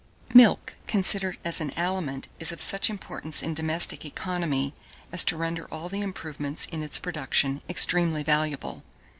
1611. Milk, considered as an aliment, is of such importance in domestic economy as to render all the improvements in its production extremely valuable.